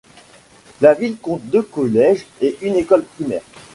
La ville compte deux collèges et une école primaire.